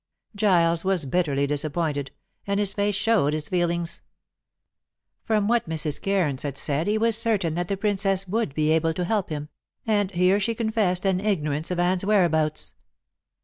Giles was bitterly disappointed, and his face showed his feelings. From what Mrs. Cairns had said he was certain that the Princess would be able to help him, and here she confessed an ignorance of Anne's whereabouts.